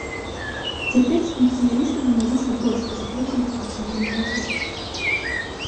Цяпер спецыялісты заняліся больш глыбокім вывучэннем знаходкі.